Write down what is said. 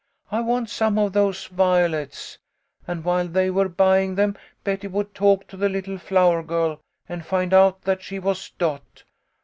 I want some of those violets.' And while they were buying them Betty would talk to the little flower girl, and find out that she was Dot.